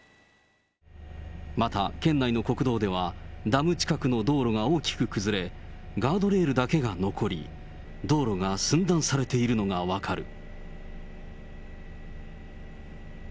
また県内の国道では、ダム近くの道路が大きく崩れ、ガードレールだけが残り、道路が寸断されているのが分かる。